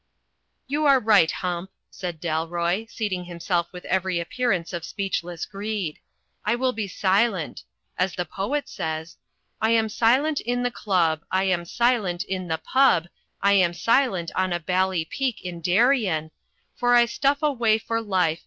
"You are right. Hump," said Dalroy, seating him self with every appearance of speechless greed. "I will be silent. Ag the poet says — "I am silent in the Club, I am silent in the pub, I am silent on a bally peak ia Darien; For I stuff away for life.